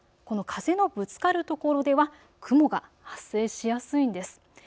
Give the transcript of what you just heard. この風のぶつかる所では、雲が発生しやすいんです。